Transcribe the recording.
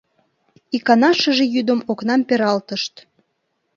Икана шыже йӱдым окнам пералтышт.